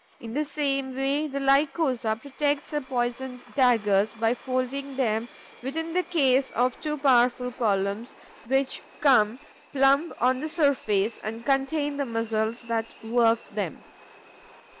In the same way, the Lycosa protects her poisoned daggers by folding them within the case of two powerful columns, which come plumb on the surface and contain the muscles that work them.